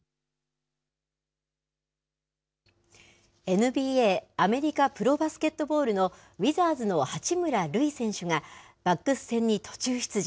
ＮＢＡ・アメリカプロバスケットボールのウィザーズの八村塁選手が、バックス戦に途中出場。